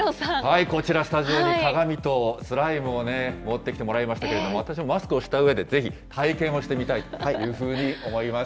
こちら、スタジオに鏡とスライムを持ってきてもらいましたけれども、私もマスクをしたうえでぜひ、体験をしてみたいというふうに思います。